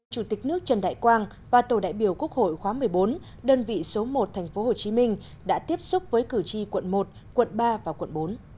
chủ tịch nước trần đại quang và tổ đại biểu quốc hội khóa một mươi bốn đơn vị số một tp hcm đã tiếp xúc với cử tri quận một quận ba và quận bốn